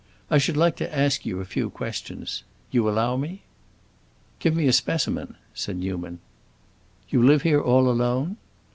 I should like to ask you a few questions. You allow me?" "Give me a specimen," said Newman. "You live here all alone?"